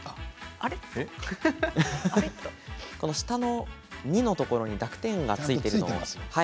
下の２のところに濁点がついています。